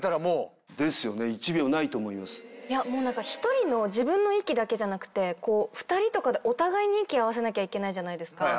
いやもう何か１人の自分の息だけじゃなくてこう２人とかでお互いに息合わせなきゃいけないじゃないですか。